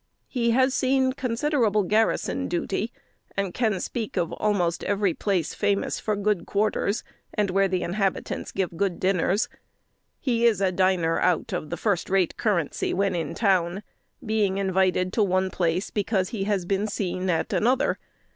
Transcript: He has seen considerable garrison duty, and can speak of almost every place famous for good quarters, and where the inhabitants give good dinners. He is a diner out of the first rate currency, when in town; being invited to one place because he has been seen at another.